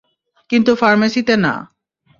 কিন্তু ফার্মেসিতে না।